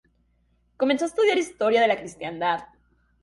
Comenzó a estudiar historia de la cristiandad.